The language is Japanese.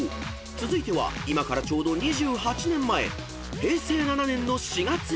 ［続いては今からちょうど２８年前］